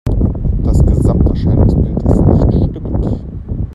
Das Gesamterscheinungsbild ist nicht stimmig.